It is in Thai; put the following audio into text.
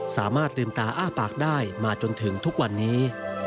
สามารถลืมตาอ้าปากได้มาจนถึงทุกวันนี้